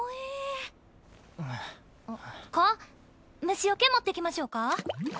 虫よけ持ってきましょうか？